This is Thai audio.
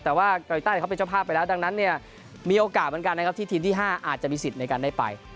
แต่ว่าเกาหลีใต้เขาเป็นเจ้าภาพไปแล้วดังนั้นเนี่ยมีโอกาสเหมือนกันนะครับที่ทีมที่๕อาจจะมีสิทธิ์ในการได้ไป